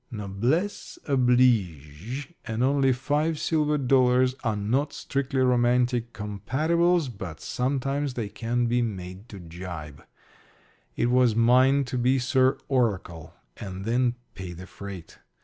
Noblesse oblige and only five silver dollars are not strictly romantic compatibles, but sometimes they can be made to jibe. It was mine to be Sir Oracle, and then pay the freight.